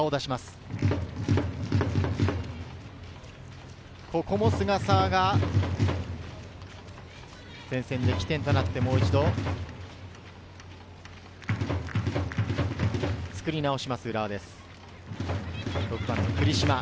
菅澤が前線で起点となってもう一度、作り直します、浦和。